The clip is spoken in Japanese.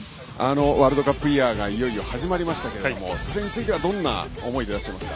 ワールドカップイヤーがいよいよ始まりましたがどんな思いでいらっしゃいますか。